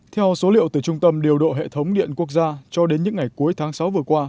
theo số liệu từ trung tâm điều độ hệ thống điện quốc gia cho đến những ngày cuối tháng sáu vừa qua